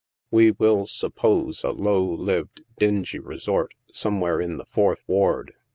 We will suppose a low lived, dingy resort, somewhere in the Fourth Ward.